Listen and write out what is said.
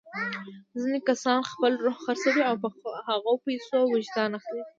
ځینې کسان خپل روح خرڅوي او په هغو پیسو وجدان اخلي.